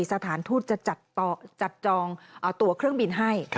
สถานทูตจะจัดจองตัวเครื่องบินให้